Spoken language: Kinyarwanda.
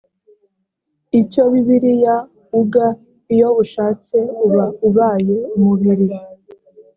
icyo bibiliya uga iyo ushatse uba ubaye umubiri